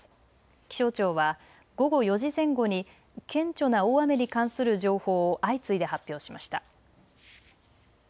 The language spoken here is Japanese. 気象庁は午後４時前後に顕著な大雨に関する情報を相次いで発表しました。